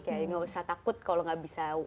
kayaknya nggak usah takut kalau nggak bisa